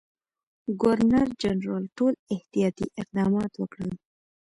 ګورنرجنرال ټول احتیاطي اقدامات وکړل.